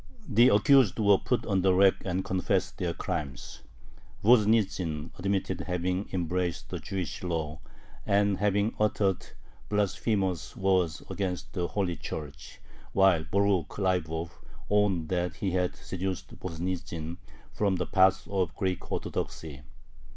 The accused were put on the rack and confessed their "crimes." Voznitzin admitted having embraced "the Jewish law," and having uttered "blasphemous words against the Holy Church," while Borukh Leibov owned that he had "seduced" Voznitzin from the path of Greek Orthodoxy.